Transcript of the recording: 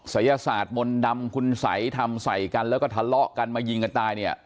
ศัยศาสตร์มนต์ดำคุณสัยทำใส่กันแล้วก็ทะเลาะกันมายิงกันตายเนี่ย